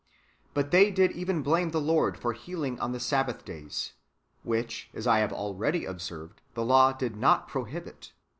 But they did even blame the Lord for healing on the Sabbath days, which, as I have already observed, the law did not prohibit.